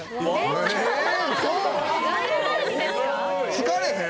疲れへん？